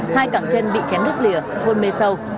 hai cẳng chân bị chém đứt lìa hôn mê sâu